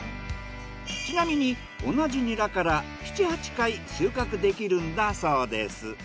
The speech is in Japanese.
ちなみに同じニラから７８回収穫できるんだそうです。